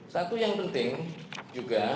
satu yang penting juga